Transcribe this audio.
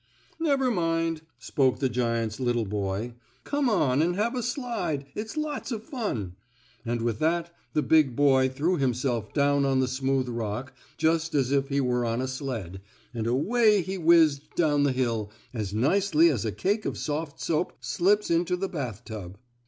"Never mind," spoke the giant's little boy, "come on and have a slide, it's lots of fun," and with that the big boy threw himself down on the smooth rock, just as if he were on a sled, and away he whizzed down the hill as nicely as a cake of soft soap slips into the bathtub.